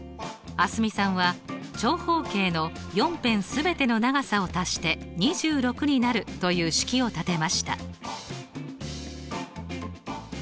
蒼澄さんは長方形の４辺全ての長さを足して２６になるという式を立てました。